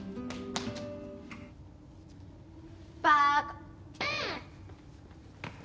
バーカ！